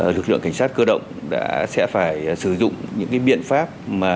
lực lượng cảnh sát cơ động đã sẽ phải sử dụng những biện pháp